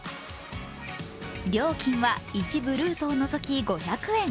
料金は一部ルートを除き５００円。